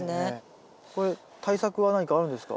これ対策は何かあるんですか？